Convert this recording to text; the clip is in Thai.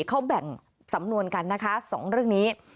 เขาแบ่งสำนวนกันนะคะ๒เรื่องนี้